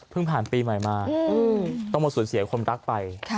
เพิ่งผ่านปีใหม่มากต้องบ่สูญเสียความรักไป